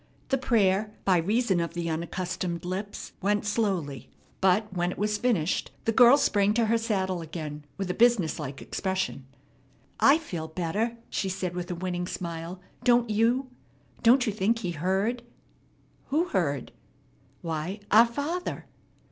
The prayer, by reason of the unaccustomed lips, went slowly; but, when it was finished, the girl sprang to her saddle again with a businesslike expression. "I feel better," she said with a winning smile. "Don't you? Don't you think He heard?" "Who heard?" "Why, 'our Father.'"